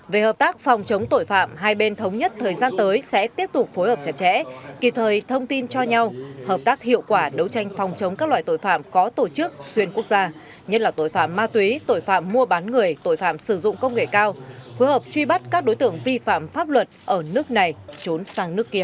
về hợp tác phòng chống tội phạm hai bên thống nhất thời gian tới sẽ tiếp tục phối hợp chặt chẽ kịp thời thông tin cho nhau hợp tác hiệu quả đấu tranh phòng chống các loại tội phạm có tổ chức xuyên quốc gia nhất là tội phạm ma túy tội phạm mua bán người tội phạm sử dụng công nghệ cao phối hợp truy bắt các đối tượng vi phạm pháp luật ở nước này trốn sang nước kia